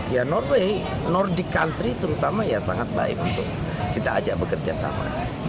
ya norway country nordic terutama ya sangat baik untuk kita ajak bekerja sama